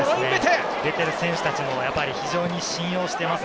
出ている選手たちも非常に信用しています。